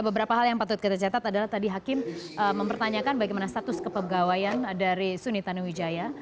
beberapa hal yang patut kita catat adalah tadi hakim mempertanyakan bagaimana status kepegawaian dari suni tanuwijaya